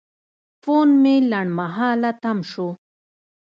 فون مې لنډمهاله تم شو.